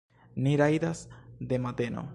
Ni rajdas de mateno.